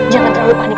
jangan terlalu panik